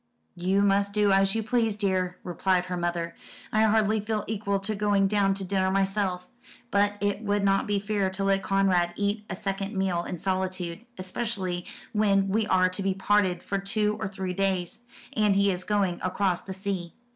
"You must do as you please, dear," replied her mother. "I hardly feel equal to going down to dinner myself; but it would not be fair to let Conrad eat a second meal in solitude, especially when we are to be parted for two or three days and he is going across the sea.